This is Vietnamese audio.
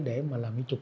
để mà làm mía chục